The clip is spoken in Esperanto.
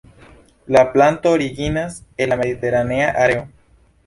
La planto originas el la mediteranea areo.